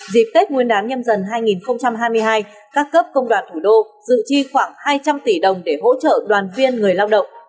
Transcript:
dịp tết nguyên đán nhâm dần hai nghìn hai mươi hai các cấp công đoàn thủ đô dự chi khoảng hai trăm linh tỷ đồng để hỗ trợ đoàn viên người lao động